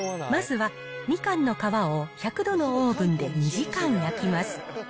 まずは、みかんの皮を１００度のオーブンで２時間焼きます。